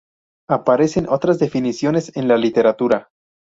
Aparecen otras definiciones en la literatura.